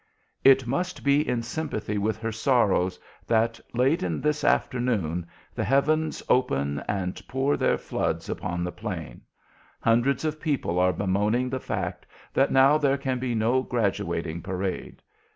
It must be in sympathy with her sorrows that, late this afternoon, the heavens open and pour their floods upon the plain. Hundreds of people are bemoaning the fact that now there can be no graduating parade.